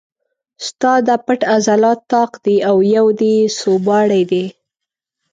ستا دا پټ عضلات طاق دي او یو دې سوباړی دی.